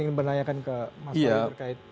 ingin menanyakan ke mas fadli terkait